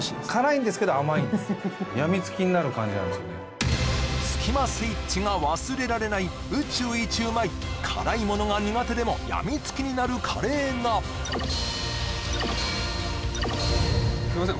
そこがスキマスイッチが忘れられない宇宙一うまい辛いものが苦手でもやみつきになるカレーがすいません